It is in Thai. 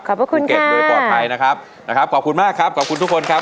พระคุณเก็บโดยปลอดภัยนะครับนะครับขอบคุณมากครับขอบคุณทุกคนครับ